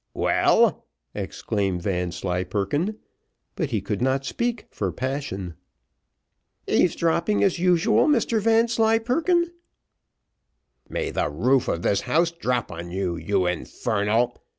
"Well!" exclaimed Vanslyperken, but he could not speak for passion. "Eaves dropping, as usual, Mr Vanslyperken?" "May the roof of this house drop on you, you infernal